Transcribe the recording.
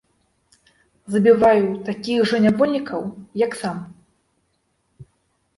Забіваю такіх жа нявольнікаў, як сам.